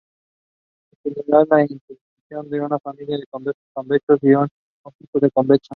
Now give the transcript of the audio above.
En general, la intersección de una familia de conjuntos convexos es un conjunto convexo.